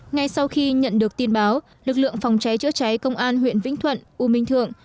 ngay sau khi nhận được tin báo lực lượng phòng cháy chữa cháy công an huyện vĩnh thuận u minh thượng